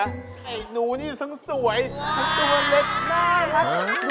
ไอ้หนูนี่ซึ้งสวยตัวเล็กน่ารัก